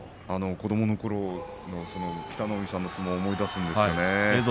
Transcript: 子どものころの北の湖さんの相撲を思い出すんですよね。